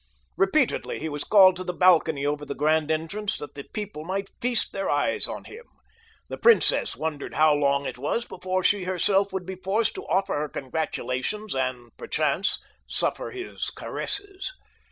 Repeatedly he was called to the balcony over the grand entrance that the people might feast their eyes on him. The princess wondered how long it was before she herself would be forced to offer her congratulations and, perchance, suffer his caresses.